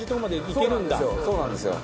そうなんですよ。